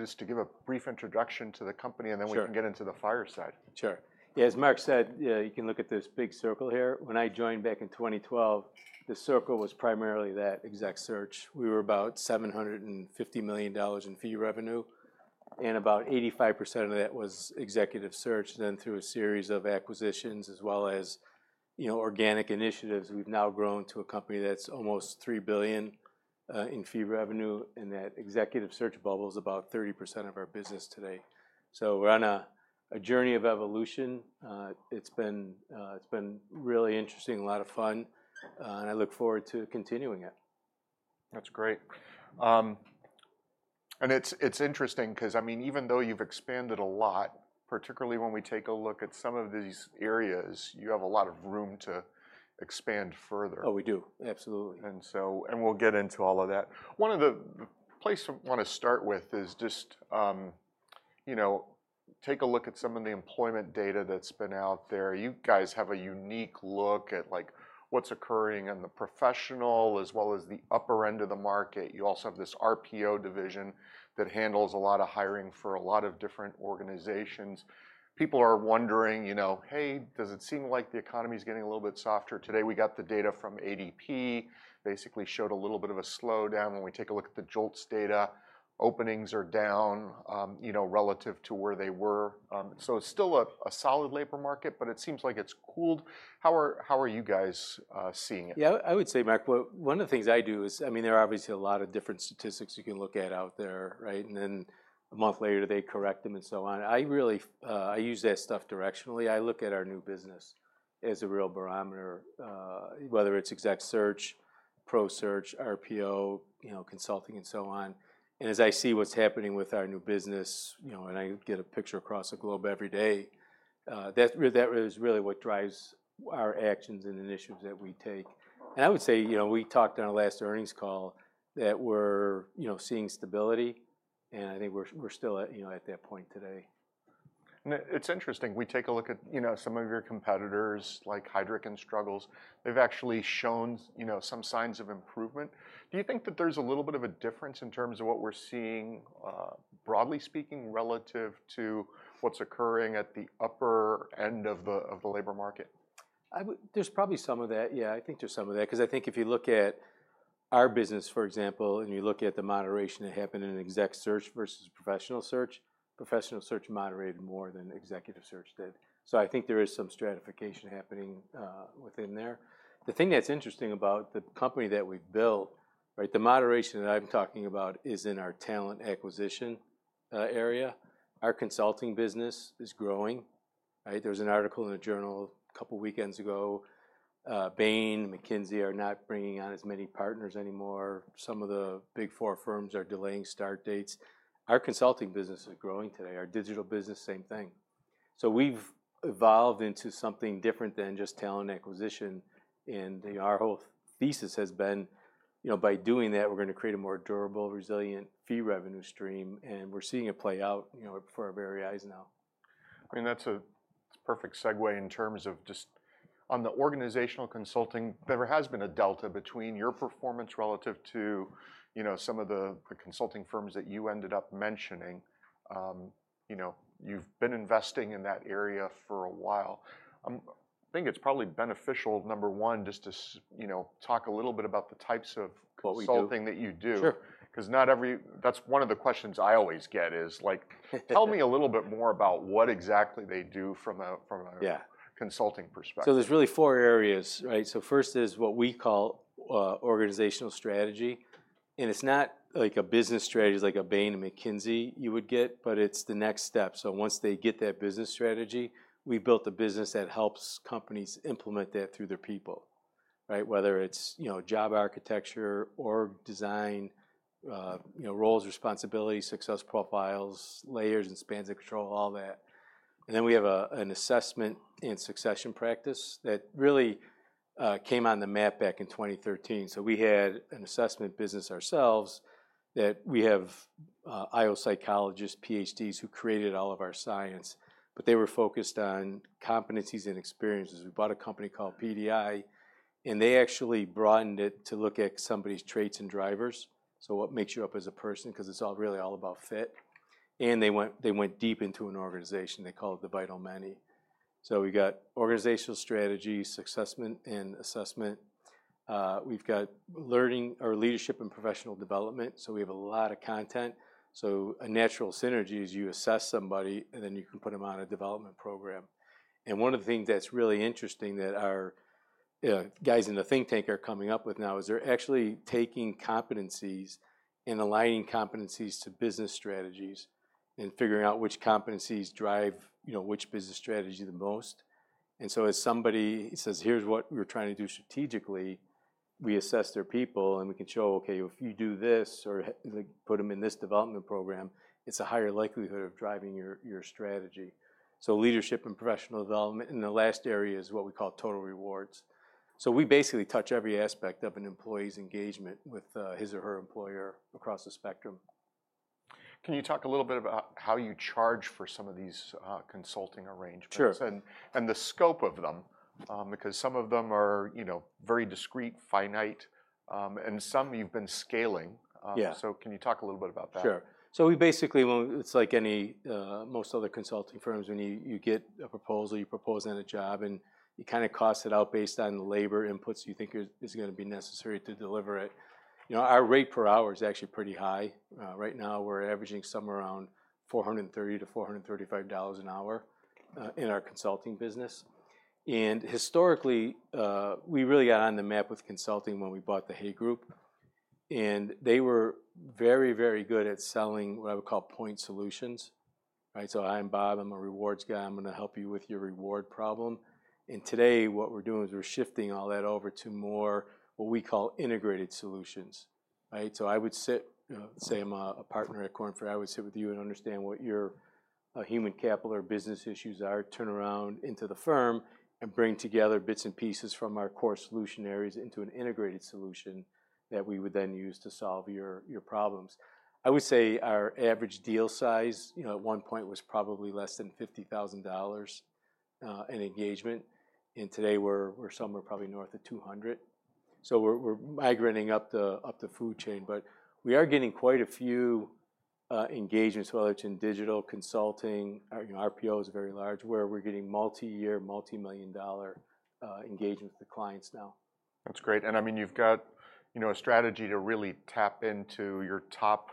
You just to give a brief introduction to the company- Sure. And then we can get into the fireside. Sure. As Mark said, yeah, you can look at this big circle here. When I joined back in 2012, the circle was primarily that exec search. We were about $750 million in fee revenue, and about 85% of that was executive search. Then through a series of acquisitions, as well as, you know, organic initiatives, we've now grown to a company that's almost $3 billion in fee revenue, and that executive search bubble is about 30% of our business today. So we're on a journey of evolution. It's been really interesting, a lot of fun, and I look forward to continuing it. That's great. And it's, it's interesting 'cause I mean, even though you've expanded a lot, particularly when we take a look at some of these areas, you have a lot of room to expand further. Oh, we do. Absolutely. And we'll get into all of that. One of the place to wanna start with is just, you know, take a look at some of the employment data that's been out there. You guys have a unique look at, like, what's occurring in the professional, as well as the upper end of the market. You also have this RPO division that handles a lot of hiring for a lot of different organizations. People are wondering, you know, hey, does it seem like the economy is getting a little bit softer? Today, we got the data from ADP, basically showed a little bit of a slowdown. When we take a look at the JOLTS data, openings are down, you know, relative to where they were. So it's still a solid labor market, but it seems like it's cooled. How are you guys seeing it? Yeah, I would say, Mark, well, one of the things I do is, I mean, there are obviously a lot of different statistics you can look at out there, right? And then a month later, they correct them and so on. I really, I use that stuff directionally. I look at our new business as a real barometer, whether it's exec search, Pro Search, RPO, you know, consulting, and so on. And as I see what's happening with our new business, you know, and I get a picture across the globe every day, that's really what drives our actions and the initiatives that we take. And I would say, you know, we talked on our last earnings call that we're, you know, seeing stability, and I think we're still at, you know, at that point today. It's interesting. We take a look at, you know, some of your competitors, like Heidrick & Struggles. They've actually shown, you know, some signs of improvement. Do you think that there's a little bit of a difference in terms of what we're seeing, broadly speaking, relative to what's occurring at the upper end of the labor market? There's probably some of that. Yeah, I think there's some of that. 'Cause I think if you look at our business, for example, and you look at the moderation that happened in an exec search versus professional search, professional search moderated more than executive search did. So I think there is some stratification happening within there. The thing that's interesting about the company that we've built, right, the moderation that I'm talking about is in our talent acquisition area. Our consulting business is growing, right? There was an article in the Journal a couple of weekends ago, Bain and McKinsey are not bringing on as many partners anymore. Some of the Big Four firms are delaying start dates. Our consulting business is growing today. Our Digital business, same thing. We've evolved into something different than just talent acquisition, and our whole thesis has been, you know, by doing that, we're gonna create a more durable, resilient fee revenue stream, and we're seeing it play out, you know, before our very eyes now. I mean, that's a perfect segue in terms of just... On the organizational consulting, there has been a delta between your performance relative to, you know, some of the, the consulting firms that you ended up mentioning. You know, you've been investing in that area for a while. I think it's probably beneficial, number one, just to, you know, talk a little bit about the types of- What we do? consulting that you do. Sure. 'Cause not every. That's one of the questions I always get is like... tell me a little bit more about what exactly they do from a, from a- Yeah -consulting perspective. So there's really four areas, right? So first is what we call Organizational Strategy, and it's not like a business strategy, like a Bain and McKinsey you would get, but it's the next step. So once they get that business strategy, we built a business that helps companies implement that through their people, right? Whether it's, you know, job architecture or design, you know, roles, responsibilities, Success Profiles, layers and spans of control, all that. And then we have an Assessment and Succession practice that really came on the map back in 2013. So we had an assessment business ourselves, that we have I/O psychologists, PhDs, who created all of our science, but they were focused on competencies and experiences. We bought a company called PDI, and they actually broadened it to look at somebody's traits and drivers. So what makes you up as a person? 'Cause it's all, really all about fit. And they went, they went deep into an organization. They call it the Vital Many. So we got Organizational Strategy, succession and assessment. We've got learning or Leadership and Professional Development, so we have a lot of content. So a natural synergy is you assess somebody, and then you can put them on a development program. And one of the things that's really interesting that our guys in the think tank are coming up with now is they're actually taking competencies and aligning competencies to business strategies and figuring out which competencies drive, you know, which business strategy the most. And so as somebody says, "Here's what we're trying to do strategically," we assess their people, and we can show, okay, if you do this or, like, put them in this development program, it's a higher likelihood of driving your, your strategy. So Leadership and Professional Development, and the last area is what we call Total Rewards. So we basically touch every aspect of an employee's engagement with, his or her employer across the spectrum. ... Can you talk a little bit about how you charge for some of these, consulting arrangements? Sure. The scope of them, because some of them are, you know, very discrete, finite, and some you've been scaling. Yeah. So can you talk a little bit about that? Sure. So it's like any most other consulting firms, when you get a proposal, you propose on a job, and you kinda cost it out based on the labor inputs you think is gonna be necessary to deliver it. You know, our rate per hour is actually pretty high. Right now, we're averaging somewhere around $430-$435 an hour in our consulting business, and historically, we really got on the map with consulting when we bought the Hay Group, and they were very, very good at selling what I would call point solutions, right? So I'm Bob, I'm a rewards guy, I'm gonna help you with your reward problem. And today, what we're doing is we're shifting all that over to more what we call integrated solutions, right? So I would sit, you know, say I'm a partner at Korn Ferry, I would sit with you and understand what your human capital or business issues are, turn around into the firm, and bring together bits and pieces from our core solution areas into an integrated solution that we would then use to solve your problems. I would say our average deal size, you know, at one point, was probably less than $50,000 in engagement, and today, we're some are probably north of $200,000. So we're migrating up the food chain, but we are getting quite a few engagements, whether it's in Digital consulting, our RPO is very large, where we're getting multi-year, multi-million-dollar engagements with the clients now. That's great, and I mean, you've got, you know, a strategy to really tap into your top,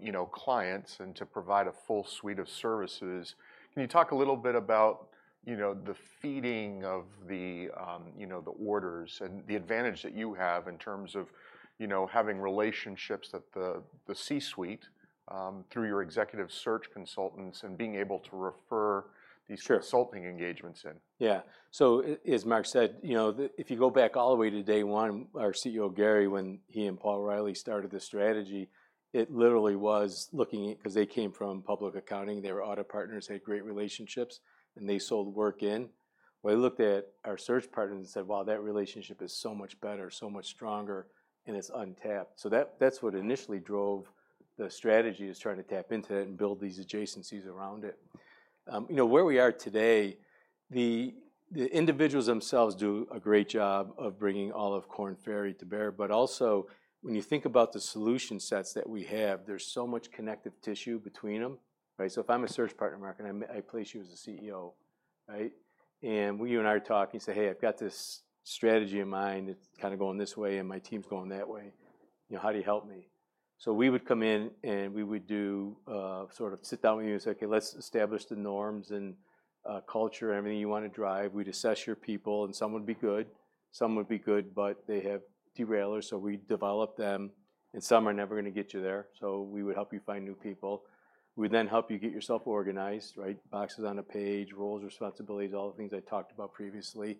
you know, clients and to provide a full suite of services. Can you talk a little bit about, you know, the feeding of the, you know, the orders and the advantage that you have in terms of, you know, having relationships at the C-suite through your executive search consultants and being able to refer- Sure... these consulting engagements in? Yeah. So as Mark said, you know, if you go back all the way to day one, our CEO, Gary, when he and Paul Reilly started this strategy, it literally was looking... 'Cause they came from public accounting, they were audit partners, had great relationships, and they sold work in. We looked at our search partners and said, "Wow, that relationship is so much better, so much stronger, and it's untapped." So that, that's what initially drove the strategy, is trying to tap into it and build these adjacencies around it. You know, where we are today, the individuals themselves do a great job of bringing all of Korn Ferry to bear, but also, when you think about the solution sets that we have, there's so much connective tissue between them, right? So if I'm a search partner, Mark, and I, I place you as a CEO, right? And we, you and I talk, and you say, "Hey, I've got this strategy of mine, it's kinda going this way, and my team's going that way. You know, how do you help me?" So we would come in, and we would do, sort of sit down with you and say, "Okay, let's establish the norms and, culture, anything you wanna drive." We'd assess your people, and some would be good, some would be good, but they have derailers, so we develop them, and some are never gonna get you there. So we would help you find new people. We then help you get yourself organized, right? Boxes on a page, roles, responsibilities, all the things I talked about previously,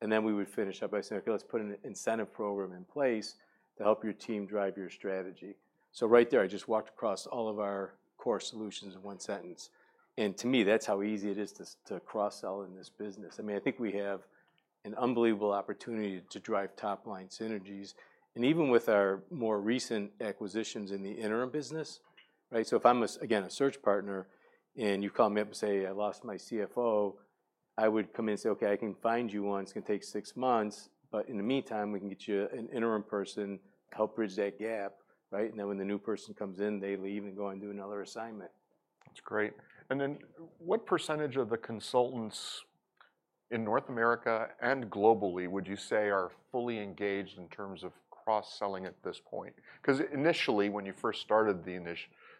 and then we would finish up by saying, "Okay, let's put an incentive program in place to help your team drive your strategy." So right there, I just walked across all of our core solutions in one sentence, and to me, that's how easy it is to cross-sell in this business. I mean, I think we have an unbelievable opportunity to drive top-line synergies, and even with our more recent acquisitions in the interim business, right? So if I'm a, again, a search partner, and you call me up and say, "I lost my CFO," I would come in and say: "Okay, I can find you one. It's gonna take six months, but in the meantime, we can get you an interim person to help bridge that gap," right? Then when the new person comes in, they leave and go and do another assignment. That's great. And then, what percentage of the consultants in North America and globally would you say are fully engaged in terms of cross-selling at this point? 'Cause initially, when you first started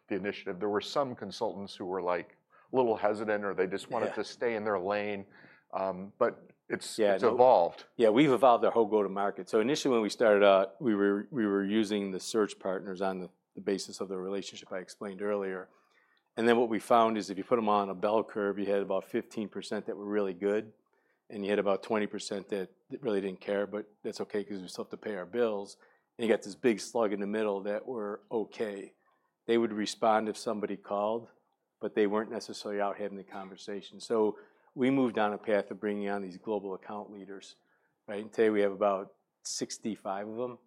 the initiative, there were some consultants who were, like, a little hesitant, or they just- Yeah... wanted to stay in their lane. But it's- Yeah, it-... it's evolved. Yeah, we've evolved our whole go-to-market. So initially, when we started out, we were using the search partners on the basis of the relationship I explained earlier, and then what we found is, if you put them on a bell curve, you had about 15% that were really good, and you had about 20% that really didn't care, but that's okay because we still have to pay our bills, and you got this big slug in the middle that were okay. They would respond if somebody called, but they weren't necessarily out having the conversation. So we moved down a path of bringing on these global account leaders, right? And today, we have about 65 of them,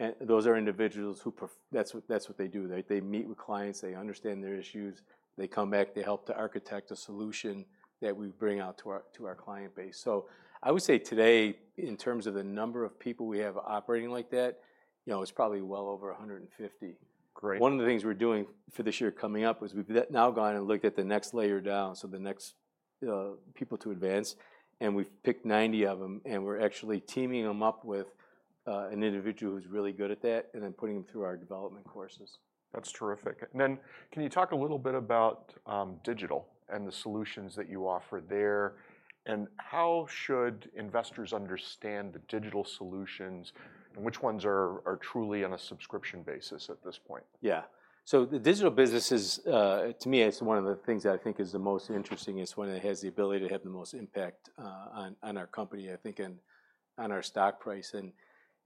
and those are individuals who prof- that's what they do. They, they meet with clients, they understand their issues, they come back, they help to architect a solution that we bring out to our, to our client base. So I would say today, in terms of the number of people we have operating like that, you know, it's probably well over 150. Great. One of the things we're doing for this year coming up is we've now gone and looked at the next layer down, so the next people to advance, and we've picked 90 of them, and we're actually teaming them up with an individual who's really good at that, and then putting them through our development courses. That's terrific. And then, can you talk a little bit about Digital and the solutions that you offer there? And how should investors understand the Digital solutions, and which ones are truly on a subscription basis at this point? Yeah. So the Digital business is, to me, it's one of the things that I think is the most interesting, it's one that has the ability to have the most impact, on, on our company, I think, and on our stock price. And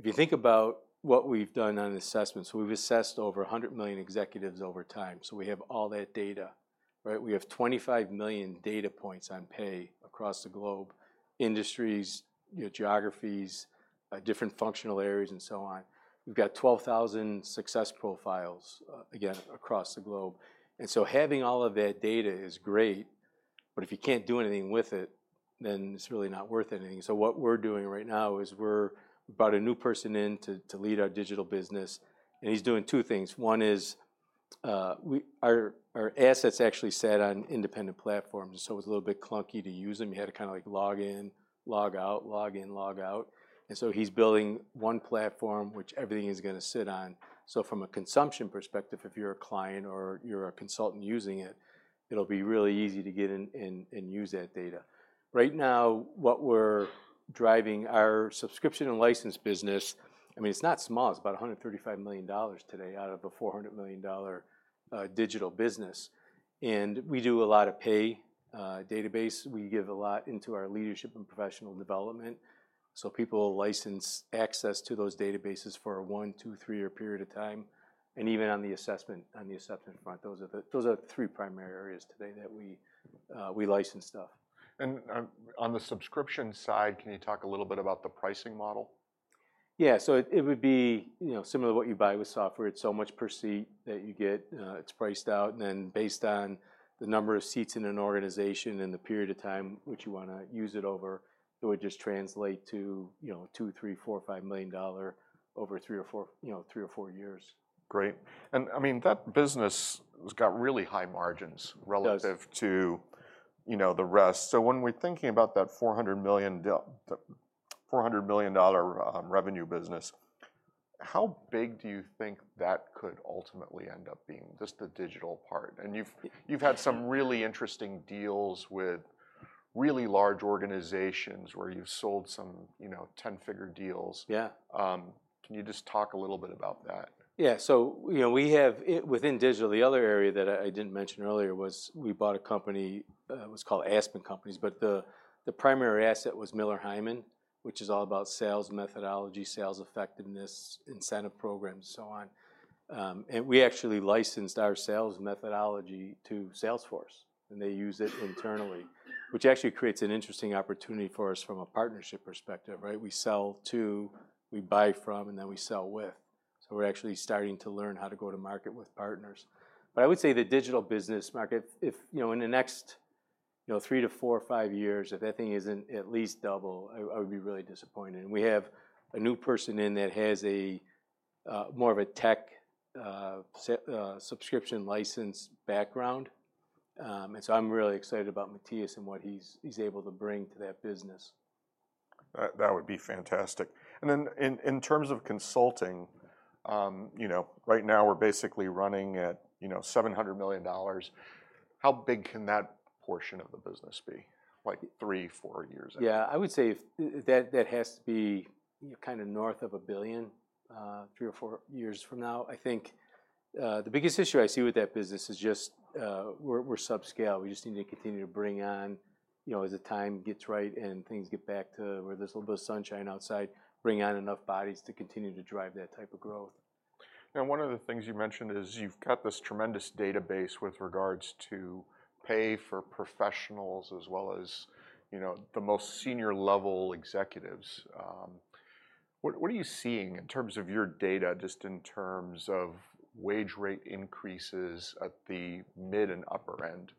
if you think about what we've done on assessments, we've assessed over 100 million executives over time, so we have all that data. Right, we have 25 million data points on pay across the globe, industries, you know, geographies, different functional areas, and so on. We've got 12,000 Success Profiles, again, across the globe, and so having all of that data is great, but if you can't do anything with it, then it's really not worth anything. So what we're doing right now is we brought a new person in to, to lead our Digital business, and he's doing two things. One is, our assets actually sat on independent platforms, so it was a little bit clunky to use them. You had to kinda like log in, log out, log in, log out, and so he's building one platform which everything is gonna sit on. So from a consumption perspective, if you're a client or you're a consultant using it, it'll be really easy to get in and use that data. Right now, what we're driving our subscription and license business, I mean, it's not small. It's about $135 million today out of a $400 million Digital business, and we do a lot of paid database. We give a lot into our leadership and professional development, so people will license access to those databases for a 1, 2, 3-year period of time, and even on the assessment, on the assessment front. Those are those are three primary areas today that we, we license stuff. On the subscription side, can you talk a little bit about the pricing model? Yeah, so it would be, you know, similar to what you buy with software. It's so much per seat that you get. It's priced out, and then based on the number of seats in an organization and the period of time which you wanna use it over, it would just translate to, you know, $2-$5 million over 3 or 4, you know, 3 or 4 years. Great, and I mean, that business has got really high margins. It does... relative to, you know, the rest. So when we're thinking about that $400 million revenue business, how big do you think that could ultimately end up being, just the Digital part? And you've had some really interesting deals with really large organizations where you've sold some, you know, ten-figure deals. Yeah. Can you just talk a little bit about that? Yeah, so, you know, we have, within Digital, the other area that I didn't mention earlier was we bought a company, it was called Aspen Companies, but the primary asset was Miller Heiman, which is all about sales methodology, sales effectiveness, incentive programs, so on. And we actually licensed our sales methodology to Salesforce, and they use it internally, which actually creates an interesting opportunity for us from a partnership perspective, right? We sell to, we buy from, and then we sell with, so we're actually starting to learn how to go to market with partners. But I would say the Digital business market, if, you know, in the next, you know, three to four or five years, if that thing isn't at least double, I would be really disappointed. We have a new person that has a more of a tech subscription license background, and so I'm really excited about Mathias and what he's able to bring to that business. That would be fantastic. And then in terms of consulting, you know, right now, we're basically running at, you know, $700 million. How big can that portion of the business be, like, three, four years out? Yeah, I would say if... That, that has to be, you know, kinda north of $1 billion, three or four years from now. I think, the biggest issue I see with that business is just, we're, we're subscale. We just need to continue to bring on, you know, as the time gets right and things get back to where there's a little bit of sunshine outside, bring on enough bodies to continue to drive that type of growth. Now, one of the things you mentioned is you've got this tremendous database with regards to pay for professionals, as well as, you know, the most senior-level executives. What are you seeing in terms of your data, just in terms of wage rate increases at the mid and upper end?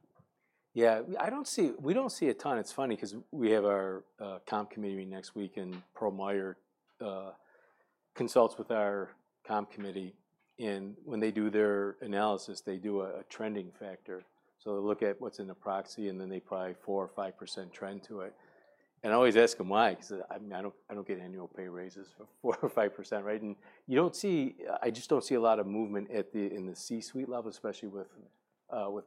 Yeah, I don't see... We don't see a ton. It's funny 'cause we have our comp committee meeting next week, and Pearl Meyer consults with our comp committee, and when they do their analysis, they do a trending factor. So they look at what's in the proxy, and then they apply 4% or 5% trend to it, and I always ask them why? 'Cause, I mean, I don't, I don't get annual pay raises for 4% or 5%, right? And you don't see, I just don't see a lot of movement at the in the C-suite level, especially with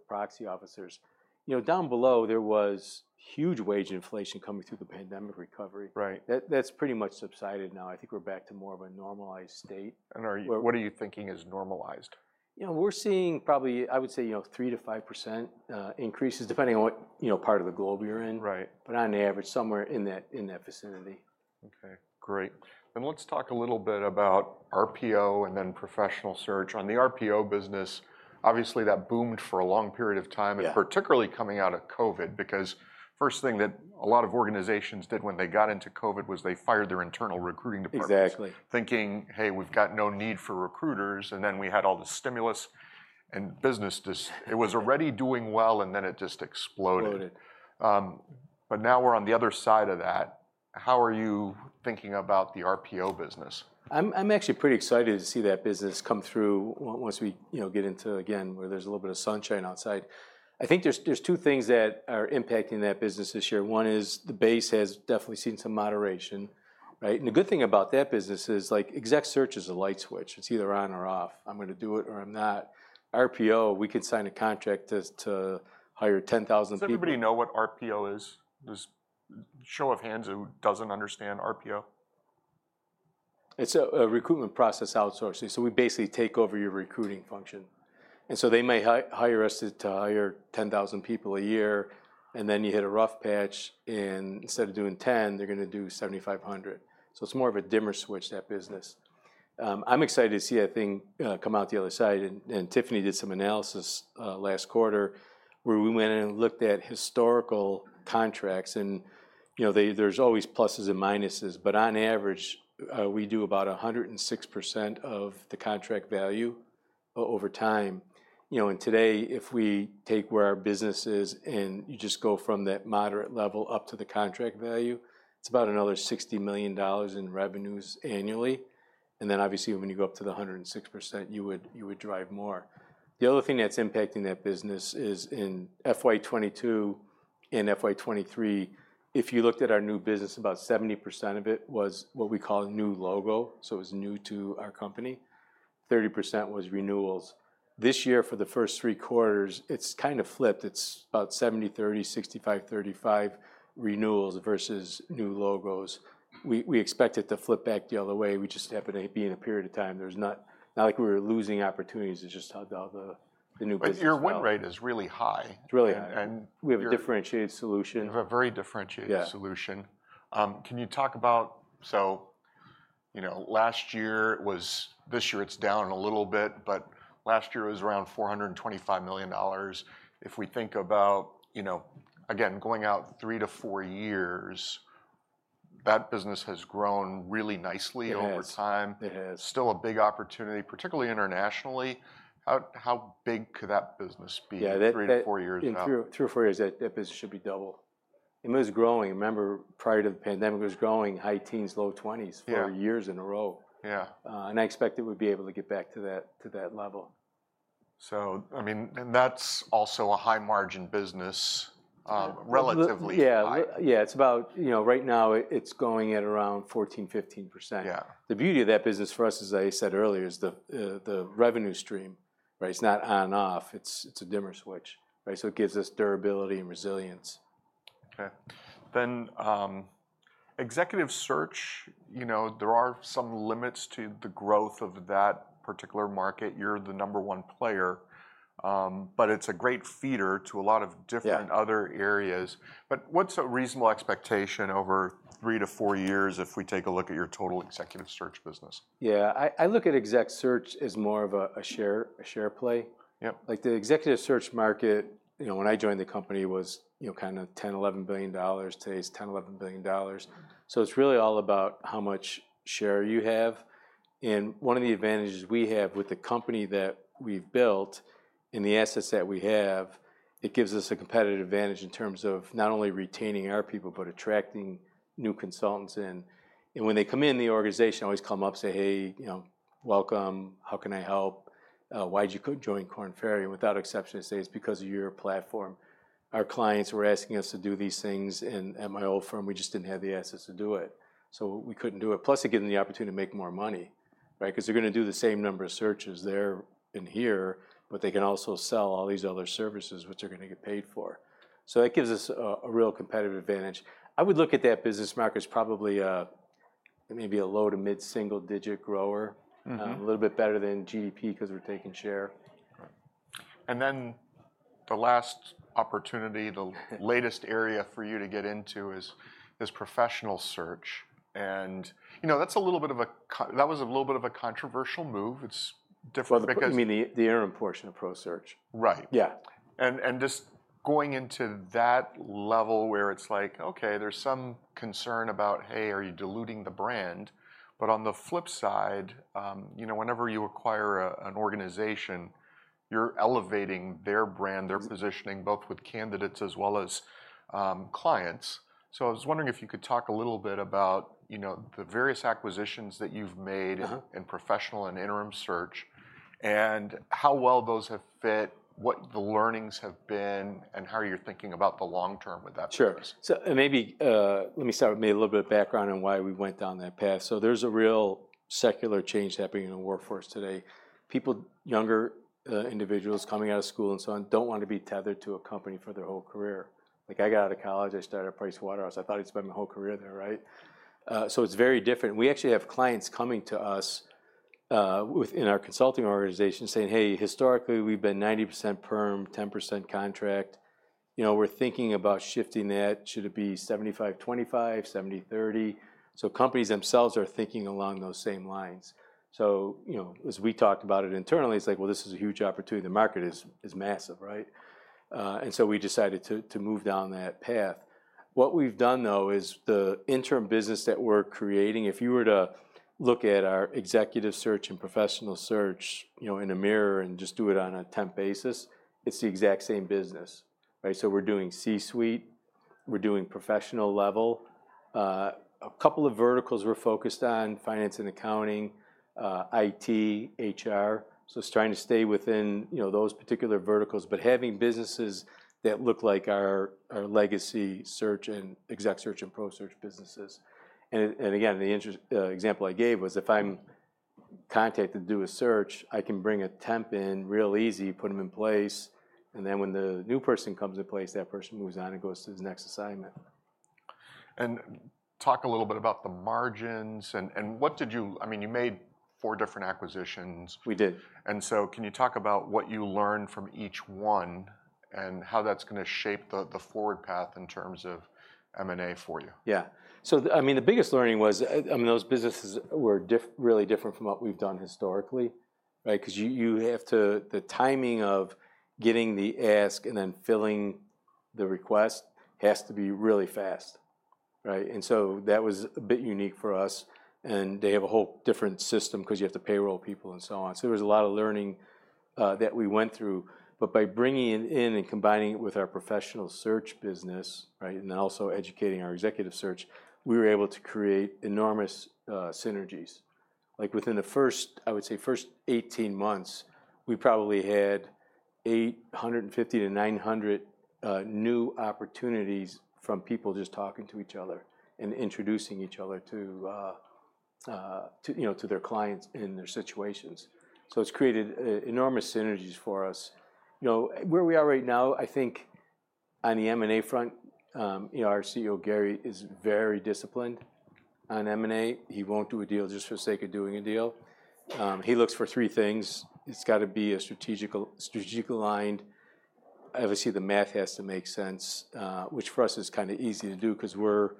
proxy officers. You know, down below, there was huge wage inflation coming through the pandemic recovery. Right. That's pretty much subsided now. I think we're back to more of a normalized state. And are you... What are you thinking is normalized? You know, we're seeing probably, I would say, you know, 3%-5% increases, depending on what, you know, part of the globe you're in. Right. On average, somewhere in that vicinity. Okay, great. And let's talk a little bit about RPO and then Professional Search. On the RPO business, obviously, that boomed for a long period of time- Yeah... and particularly coming out of COVID, because first thing that a lot of organizations did when they got into COVID was they fired their internal recruiting departments- Exactly... thinking, "Hey, we've got no need for recruiters," and then we had all the stimulus, and business just... It was already doing well, and then it just exploded. Exploded. But now we're on the other side of that. How are you thinking about the RPO business? I'm actually pretty excited to see that business come through once we, you know, get into, again, where there's a little bit of sunshine outside. I think there's two things that are impacting that business this year. One is the base has definitely seen some moderation, right? And the good thing about that business is, like, exec search is a light switch. It's either on or off. I'm gonna do it, or I'm not. RPO, we can sign a contract as to hire 10,000 people- Does everybody know what RPO is? Just show of hands, who doesn't understand RPO? It's a recruitment process outsourcing, so we basically take over your recruiting function, and so they may hire us to hire 10,000 people a year, and then you hit a rough patch, and instead of doing 10, they're gonna do 7,500. So it's more of a dimmer switch, that business. I'm excited to see that thing come out the other side, and Tiffany did some analysis last quarter, where we went in and looked at historical contracts and, you know, there's always pluses and minuses, but on average, we do about 106% of the contract value over time. You know, and today, if we take where our business is, and you just go from that moderate level up to the contract value, it's about another $60 million in revenues annually, and then obviously, when you go up to the 106%, you would, you would drive more. The other thing that's impacting that business is in FY 2022 and FY 2023, if you looked at our new business, about 70% of it was what we call a new logo, so it was new to our company. 30% was renewals. This year, for the first three quarters, it's kind of flipped. It's about 70/30, 65/35 renewals versus new logos. We, we expect it to flip back the other way. We just happen to be in a period of time. There's not- not like we're losing opportunities. It's just how about the, the new business- Your win rate is really high. It's really high. And- We have a differentiated solution. You have a very differentiated- Yeah... solution. Can you talk about— So, you know, last year it was... This year it's down a little bit, but last year it was around $425 million. If we think about, you know, again, going out 3-4 years, that business has grown really nicely- It has... over time. It has. Still a big opportunity, particularly internationally. How big could that business be- Yeah, that, that- - 3-4 years from now? In 2, 3 or 4 years, that, that business should be double. It was growing. Remember, prior to the pandemic, it was growing high teens, low twenties- Yeah... for years in a row. Yeah. I expect it would be able to get back to that, to that level. So, I mean, and that's also a high-margin business, relatively. Yeah. High. Yeah, it's about, you know, right now it's going at around 14%-15%. Yeah. The beauty of that business for us, as I said earlier, is the revenue stream, right? It's not on/off, it's a dimmer switch, right? So it gives us durability and resilience. Okay. Then, executive search, you know, there are some limits to the growth of that particular market. You're the number one player, but it's a great feeder to a lot of different- Yeah... other areas, but what's a reasonable expectation over 3-4 years if we take a look at your total executive search business? Yeah, I look at exec search as more of a share play. Yeah. Like, the executive search market, you know, when I joined the company, was, you know, kind of $10-$11 billion. Today, it's $10-$11 billion. So it's really all about how much share you have, and one of the advantages we have with the company that we've built and the assets that we have, it gives us a competitive advantage in terms of not only retaining our people, but attracting new consultants in, and when they come in the organization, I always come up, say: "Hey, you know, welcome. How can I help? Why'd you go join Korn Ferry?" Without exception, they say, "It's because of your platform. Our clients were asking us to do these things, and at my old firm, we just didn't have the assets to do it." So we couldn't do it, plus it gave them the opportunity to make more money, right? 'Cause they're gonna do the same number of searches there in here, but they can also sell all these other services, which are gonna get paid for. So that gives us a real competitive advantage. I would look at that business market as probably a, maybe a low to mid-single-digit grower-... a little bit better than GDP 'cause we're taking share. And then the last opportunity, the latest area for you to get into is this Professional Search, and, you know, that was a little bit of a controversial move. It's different, because- You mean the interim portion of pro search? Right. Yeah. Just going into that level, where it's like, okay, there's some concern about, Hey, are you diluting the brand? But on the flip side, you know, whenever you acquire an organization, you're elevating their brand.... their positioning, both with candidates as well as, clients. So I was wondering if you could talk a little bit about, you know, the various acquisitions that you've made-... in professional and interim search, and how well those have fit, what the learnings have been, and how you're thinking about the long term with that. Sure. So, and maybe, let me start with maybe a little bit of background on why we went down that path. So there's a real secular change happening in the workforce today. People, younger, individuals coming out of school and so on, don't want to be tethered to a company for their whole career. Like, I got out of college, I started at Price Waterhouse. I thought I'd spend my whole career there, right? So it's very different. We actually have clients coming to us, within our consulting organization, saying: "Hey, historically, we've been 90% perm, 10% contract. You know, we're thinking about shifting that. Should it be 75%/25%, 70%/30%?" So companies themselves are thinking along those same lines. So, you know, as we talked about it internally, it's like, well, this is a huge opportunity. The market is massive, right? And so we decided to move down that path. What we've done, though, is the interim business that we're creating, if you were to look at our executive search and professional search, you know, in a mirror and just do it on a temp basis, it's the exact same business, right? So we're doing C-suite, we're doing professional level. A couple of verticals we're focused on, finance and accounting, IT, HR, so it's trying to stay within, you know, those particular verticals, but having businesses that look like our legacy search and exec search and pro search businesses. And again, the interim example I gave was, if I'm contacted to do a search, I can bring a temp in real easy, put him in place, and then when the new person comes in place, that person moves on and goes to his next assignment. And talk a little bit about the margins, and what did you-- I mean, you made four different acquisitions. We did. Can you talk about what you learned from each one?... and how that's gonna shape the forward path in terms of M&A for you? Yeah. So, I mean, the biggest learning was, I mean, those businesses were really different from what we've done historically, right? 'Cause the timing of getting the ask and then filling the request has to be really fast, right? And so that was a bit unique for us, and they have a whole different system 'cause you have to payroll people, and so on. So there was a lot of learning that we went through, but by bringing it in and combining it with our professional search business, right, and then also educating our executive search, we were able to create enormous synergies. Like, within the first, I would say, first 18 months, we probably had 850-900 new opportunities from people just talking to each other and introducing each other to, you know, to their clients and their situations. So it's created enormous synergies for us. You know, where we are right now, I think on the M&A front, you know, our CEO, Gary, is very disciplined on M&A. He won't do a deal just for sake of doing a deal. He looks for three things: It's gotta be a strategical, strategic aligned... Obviously, the math has to make sense, which for us is kinda easy to do 'cause we're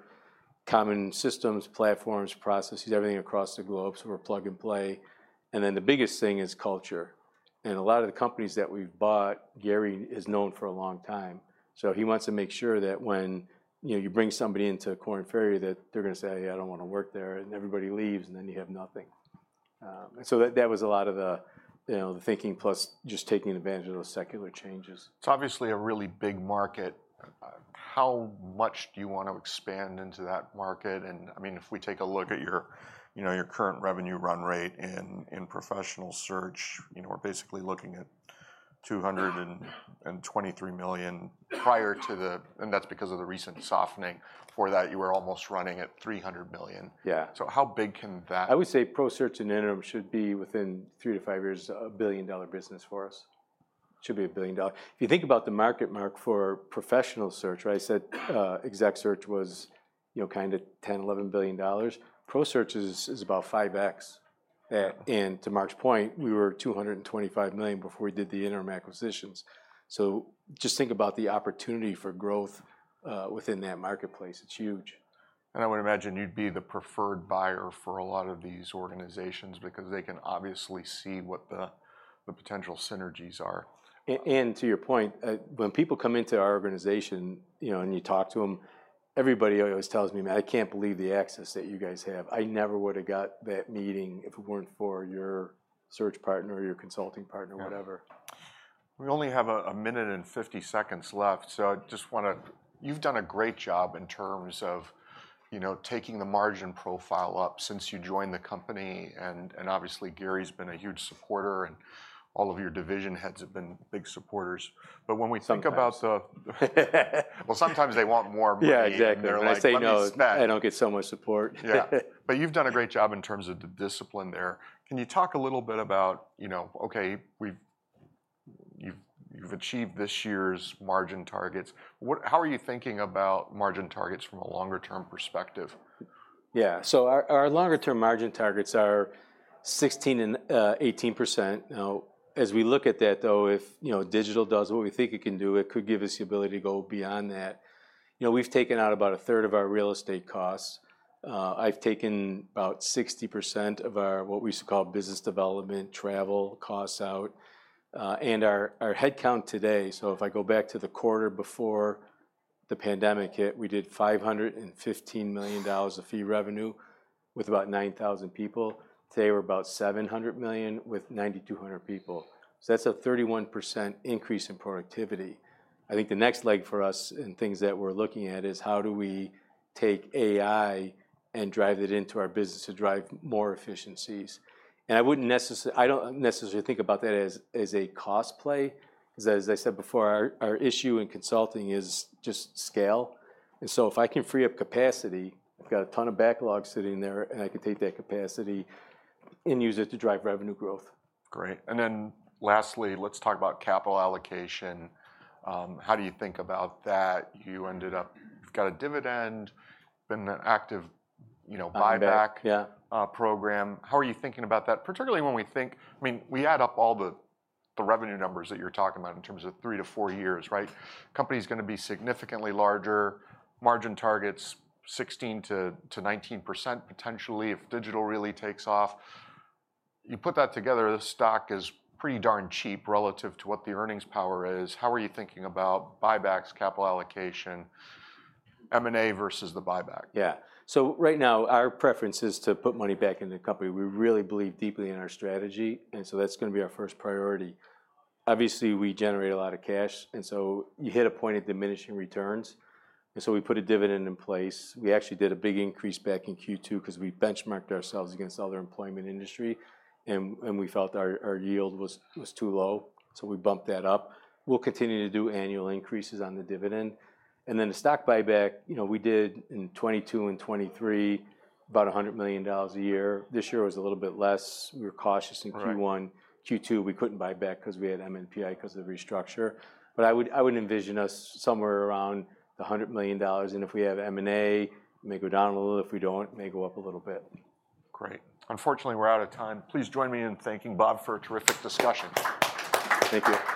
common systems, platforms, processes, everything across the globe, so we're plug-and-play. Then the biggest thing is culture, and a lot of the companies that we've bought, Gary has known for a long time. So he wants to make sure that when, you know, you bring somebody into Korn Ferry, that they're gonna say, "I don't wanna work there," and everybody leaves, and then you have nothing. So that was a lot of the, you know, the thinking, plus just taking advantage of those secular changes. It's obviously a really big market. How much do you want to expand into that market? And, I mean, if we take a look at your, you know, your current revenue run rate in, in professional search, you know, we're basically looking at $223 million prior to the-- and that's because of the recent softening. Before that, you were almost running at $300 million. Yeah. So how big can that- I would say pro search and interim should be within 3-5 years, a billion-dollar business for us. Should be a billion-dollar. If you think about the market, Mark, for professional search, right, I said, exec search was, you know, kind of $10-$11 billion. Pro search is about 5x. And to Mark's point, we were $225 million before we did the interim acquisitions. So just think about the opportunity for growth within that marketplace. It's huge. I would imagine you'd be the preferred buyer for a lot of these organizations because they can obviously see what the potential synergies are. To your point, when people come into our organization, you know, and you talk to them, everybody always tells me, "Man, I can't believe the access that you guys have. I never would've got that meeting if it weren't for your search partner or your consulting partner," whatever. We only have 1 minute and 50 seconds left, so I just wanna. You've done a great job in terms of, you know, taking the margin profile up since you joined the company, and obviously, Gary's been a huge supporter, and all of your division heads have been big supporters. But when we think about the. Well, sometimes they want more money. Yeah, exactly. They're like, "Let me- I say, "No, I don't get so much support. Yeah, but you've done a great job in terms of the discipline there. Can you talk a little bit about, you know... Okay, you've achieved this year's margin targets. What - How are you thinking about margin targets from a longer-term perspective? Yeah, so our longer-term margin targets are 16%-18%. Now, as we look at that, though, if you know, Digital does what we think it can do, it could give us the ability to go beyond that. You know, we've taken out about a third of our real estate costs. I've taken about 60% of our what we used to call business development travel costs out, and our headcount today, so if I go back to the quarter before the pandemic hit, we did $515 million of fee revenue with about 9,000 people. Today, we're about $700 million with 9,200 people. So that's a 31% increase in productivity. I think the next leg for us, and things that we're looking at, is how do we take AI and drive it into our business to drive more efficiencies? And I don't necessarily think about that as, as a cost play, 'cause as I said before, our, our issue in consulting is just scale. And so if I can free up capacity, I've got a ton of backlog sitting there, and I can take that capacity and use it to drive revenue growth. Great, and then lastly, let's talk about capital allocation. How do you think about that? You ended up... You've got a dividend, been an active, you know- Buyback... buyback- Yeah... program. How are you thinking about that? Particularly when we think, I mean, we add up all the, the revenue numbers that you're talking about in terms of 3-4 years, right? Company's gonna be significantly larger, margin targets 16%-19%, potentially, if Digital really takes off. You put that together, the stock is pretty darn cheap relative to what the earnings power is. How are you thinking about buybacks, capital allocation, M&A versus the buyback? Yeah. So right now, our preference is to put money back into the company. We really believe deeply in our strategy, and so that's gonna be our first priority. Obviously, we generate a lot of cash, and so you hit a point of diminishing returns, and so we put a dividend in place. We actually did a big increase back in Q2, 'cause we benchmarked ourselves against other employment industry, and we felt our yield was too low, so we bumped that up. We'll continue to do annual increases on the dividend. And then the stock buyback, you know, we did in 2022 and 2023, about $100 million a year. This year was a little bit less. We were cautious in Q1. Right. Q2, we couldn't buy back 'cause we had MNPI, 'cause of the restructure. But I would, I would envision us somewhere around the $100 million, and if we have M&A, it may go down a little. If we don't, it may go up a little bit. Great. Unfortunately, we're out of time. Please join me in thanking Bob for a terrific discussion. Thank you.